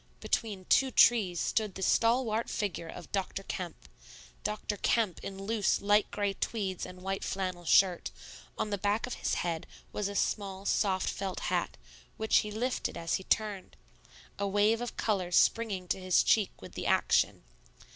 Between two trees stood the stalwart figure of Dr. Kemp, Dr. Kemp in loose, light gray tweeds and white flannel shirt; on the back of his head was a small, soft felt hat, which he lifted as she turned, a wave of color springing to his cheek with the action.